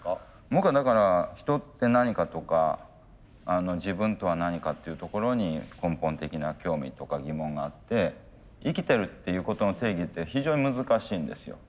僕はだから人って何かとか自分とは何かっていうところに根本的な興味とか疑問があって生きてるっていうことの定義って非常に難しいんですよ。